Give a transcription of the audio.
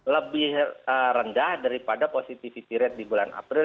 lebih rendah daripada positivity rate di bulan april